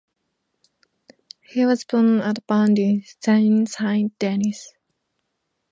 He was born at Bondy, Seine-Saint-Denis.